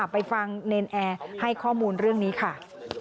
ไปฟังเนรนแอร์ให้ข้อมูลเรื่องนี้ค่ะ